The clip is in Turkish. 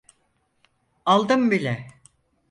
Aldım bile.